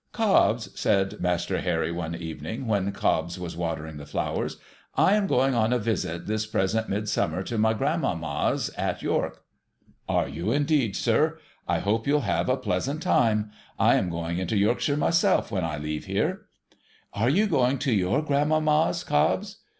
' Cobbs,' said Master Harry, one evening, when Cobbs was watering the flowers, 'I am going on a visit, this present Mid summer, to my grandmamma's at York.' 'Are you indeed, sir? I hope you'll have a pleasant time. I am . going into Yorkshire, myself, when I leave here.' ' Are you going to your grandmamma's, Cobbs